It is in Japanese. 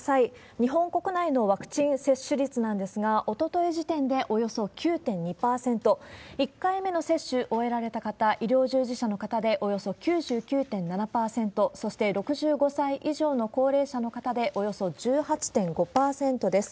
日本国内のワクチン接種率なんですが、おととい時点でおよそ９．２％、１回目の接種終えられた方、医療従事者の方でおよそ９９．７％、そして６５歳以上の高齢者の方で、およそ１８．５％です。